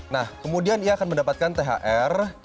nah kemudian ia akan mendapatkan thr